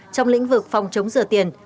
trong lĩnh vực phòng chống sửa tiền